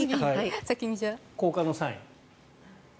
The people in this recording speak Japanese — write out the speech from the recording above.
交換のサイン。